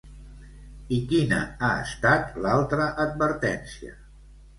I quina ha estat l'altra advertència?